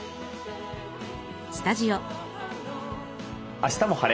「あしたも晴れ！